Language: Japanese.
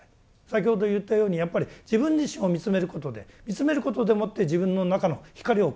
先ほど言ったようにやっぱり自分自身を見つめることで見つめることでもって自分の中の光を感じます。